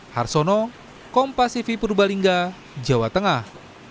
harsono kompasifi purbalingga jawa tengah